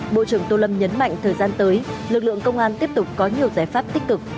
bộ trưởng tô lâm nhấn mạnh thời gian tới lực lượng công an tiếp tục có nhiều giải pháp tích cực